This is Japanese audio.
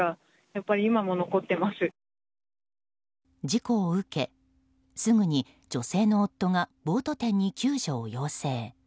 事故を受け、すぐに女性の夫がボート店に救助を要請。